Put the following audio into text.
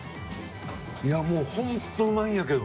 いやもうほんとうまいんやけど。